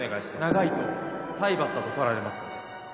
長いと体罰だと取られますので。